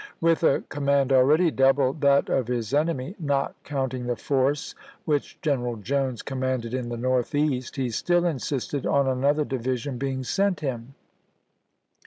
With a com mand already double that of his enemy, not count ing the force which General Jones commanded in the Northeast, he still insisted on another division being sent him.